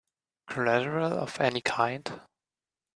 Collateral of any kind?